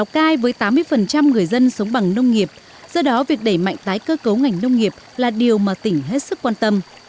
các người dân sống bằng nông nghiệp do đó việc đẩy mạnh tái cơ cấu ngành nông nghiệp là điều mà tỉnh hết sức quan tâm